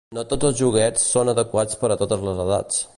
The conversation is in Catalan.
No tots els joguets són adequats per a totes les edats.